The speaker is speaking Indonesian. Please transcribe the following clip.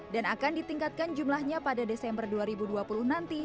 dan akan ditingkatkan jumlahnya pada desember dua ribu dua puluh nanti